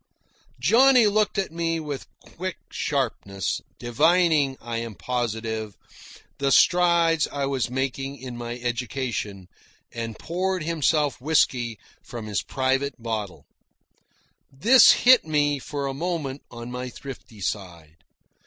Johnny looked at me with quick sharpness, divining, I am positive, the strides I was making in my education, and poured himself whisky from his private bottle. This hit me for a moment on my thrifty side.